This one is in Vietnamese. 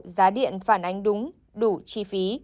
giá điện phản ánh đúng đủ chi phí